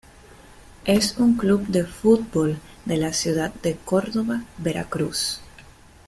Es un club de fútbol de la ciudad de Córdoba, Veracruz.